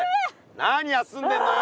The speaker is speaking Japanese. なに休んでんのよ。